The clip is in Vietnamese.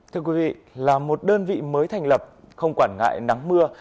thưa quý vị là một đơn vị mới thành lập không quản ngại nắng mưa